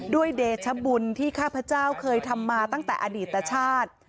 เดชบุญที่ข้าพเจ้าเคยทำมาตั้งแต่อดีตชาติ